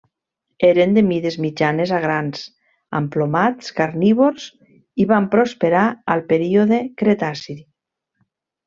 Eren de mides mitjanes a grans, emplomats, carnívors i van prosperar al període Cretaci.